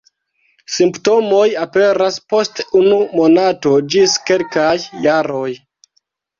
Simptomoj aperas post unu monato ĝis kelkaj jaroj.